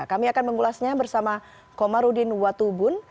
kami akan mengulasnya bersama komarudin watubun